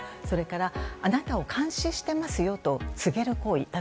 それからあなたを監視していますよと告げる行為。